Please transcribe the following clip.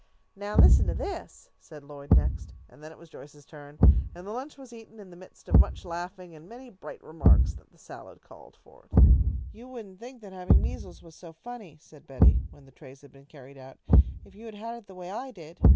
"Now listen to this," said Lloyd next, and then it was Joyce's turn, and the lunch was eaten in the midst of much laughing and many bright remarks that the salad called forth. "You wouldn't think that having measles was so funny," said Betty, when the trays had been carried out, "if you had had it the way I did.